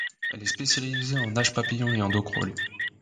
Elle est spécialisée en nage papillon et en dos crawlé.